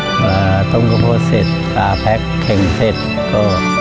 ต้มกระโพกก็เสร็จตาแพคเค็งเสร็จ